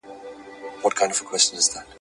زما پر خوار پوستين جگړه وه د زوى مړو ,